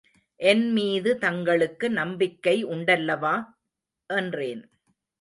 என்மீது தங்களுக்கு நம்பிக்கை உண்டல்லவா? என்றேன்.